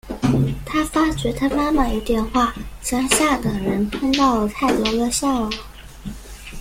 他发觉他妈妈用电话向下等人通报了泰德的下落。